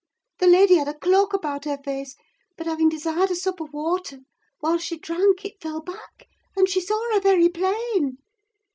The lady had a cloak about her face; but having desired a sup of water, while she drank it fell back, and she saw her very plain.